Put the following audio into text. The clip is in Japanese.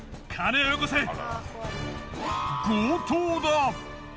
強盗だ！